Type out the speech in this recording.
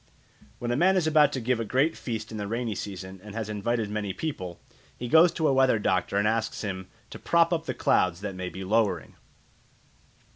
When a man is about to give a great feast in the rainy season and has invited many people, he goes to a weather doctor and asks him to "prop up the clouds that may be lowering."